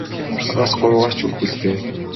Надаас гуйгаа ч үгүй л дээ.